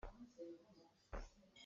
A hnubik a chuakmi cu keimah ka si.